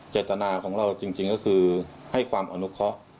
เจตนาของเราจริงก็คือให้ความอนุเคาะ